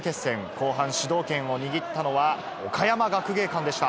後半、主導権を握ったのは岡山学芸館でした。